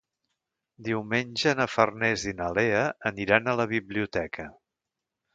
Diumenge na Farners i na Lea aniran a la biblioteca.